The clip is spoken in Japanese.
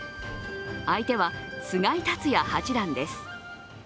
相手は菅井竜也八段です。